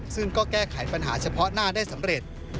ซึ่งก็แก้ไขปัญหาเฉพาะหน้าได้สำเร็จ